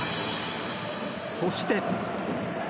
そして。